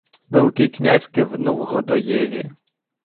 Великий князь кивнув Годоєві: